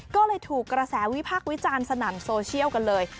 ก็เลยถูกกระแสวิพักษ์วิจารณ์สนั่นโซเชียลกันเลย